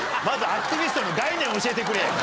まずアクティビストの概念を教えてくれ。